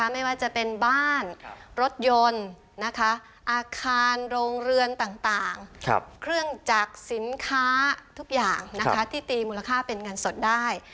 ไม่ว่าจะเป็นบ้านรถยนต์อาคารโรงเรือนต่างเครื่องจักรสินค้าทุกอย่างที่ตีมูลค่าเป็นเงินสดได้